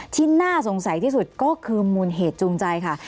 ที่น่าสงสัยที่สุดก็คือมูลเหตุจูงใจค่ะ